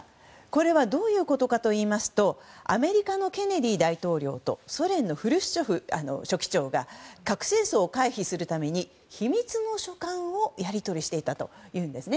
これはどういうことかといいますとアメリカのケネディ大統領とソ連のフルシチョフ書記長が核戦争を回避するために秘密の書簡をやり取りしていたというんです。